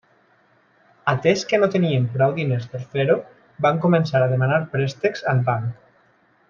Atès que no tenien prou diners per fer-ho, van començar a demanar préstecs al banc.